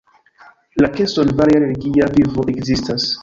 En Keson varia religia vivo ekzistas.